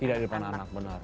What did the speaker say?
tidak di depan anak benar